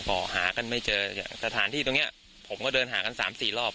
ออกหากันไม่เจอสถานที่ตรงเนี้ยผมก็เดินหากันสามสี่รอบ